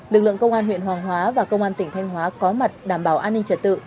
lực lượng công an huyện hoàng hóa và công an tỉnh thanh hóa có mặt đảm bảo an ninh trật tự